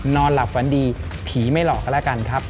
นอนหลับฝันดีผีไม่หลอกกันแล้วกันครับ